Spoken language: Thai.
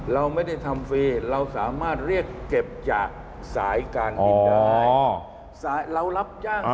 เราไม่ได้ทำฟรีเราสามารถเรียกเก็บจากสายการบินได้